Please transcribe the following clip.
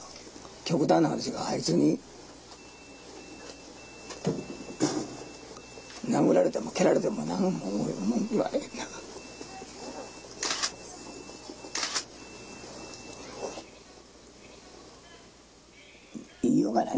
極端な話があいつに殴られても、蹴られても、なんも文句言われへんな。